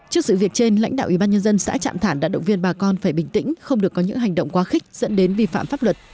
trước sự việc trên lãnh đạo ủy ban nhân dân xã trạm thản đã động viên bà con phải bình tĩnh không được có những hành động quá khích dẫn đến vi phạm pháp luật